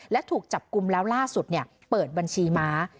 และถูกจับกลุ่มแล้วล่าสุดเปิดบัญชีม้า